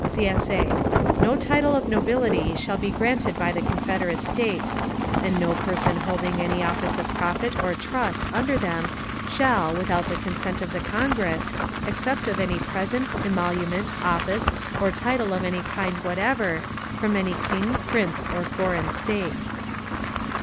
[CSA] No title of nobility shall be granted by the Confederate States; and no person holding any office of profit or trust under them shall, without the consent of the Congress, accept of any present, emolument, office, or title of any kind whatever, from any king, prince, or foreign state.